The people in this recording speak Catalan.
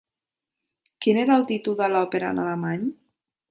Quin era el títol de l'òpera en alemany?